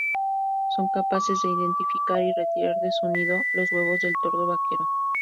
Son capaces de identificar y retirar de su nido los huevos del tordo vaquero.